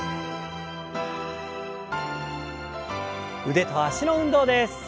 腕と脚の運動です。